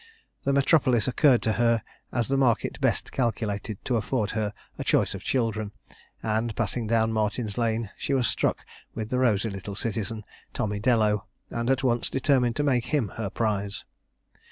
The metropolis occurred to her as the market best calculated to afford her a choice of children; and, passing down Martin's lane, she was struck with the rosy little citizen, Tommy Dellow, and at once determined to make him her prize.